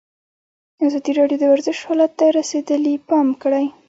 ازادي راډیو د ورزش حالت ته رسېدلي پام کړی.